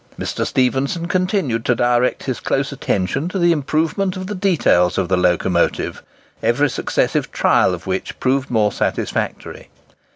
Mr. Stephenson continued to direct his close attention to the improvement of the details of the locomotive, every successive trial of which proved more satisfactory.